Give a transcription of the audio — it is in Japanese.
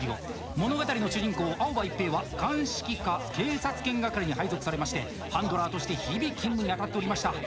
物語の主人公、青葉一平は鑑識課警察犬係に配属されましてハンドラーとして日々勤務にあたっておりました。